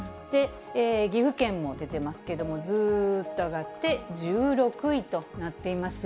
岐阜県も出てますけど、ずーっと上がって１６位となっています。